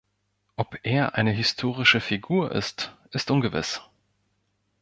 Ob er eine historische Figur ist, ist ungewiss.